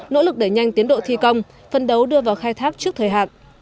nỗ lực để nhanh tiến độ thi công phân đấu đưa vào khai thác trước thời hạn